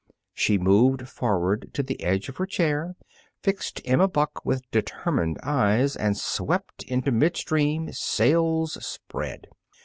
She moved forward to the edge of her chair, fixed Emma Buck with determined eyes, and swept into midstream, sails spread.